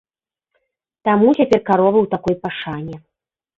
Таму цяпер каровы ў такой пашане.